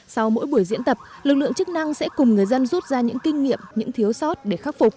sau mỗi buổi diễn tập lực lượng chức năng sẽ cùng người dân rút ra những kinh nghiệm những thiếu sót để khắc phục